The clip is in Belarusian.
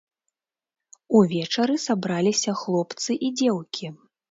Увечары сабраліся хлопцы і дзеўкі.